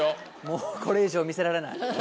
もうこれ以上見せられない。